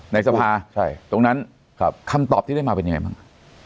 ในสภาตรงนั้นคำตอบที่ได้มาเป็นยังไงบ้าง